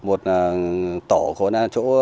một tổ của